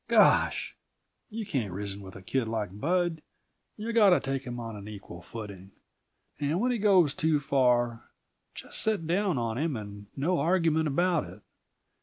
Gosh! You can't reason with a kid like Bud; you've got to take him on an equal footing, and when he goes too far, just set down on him and no argument about it.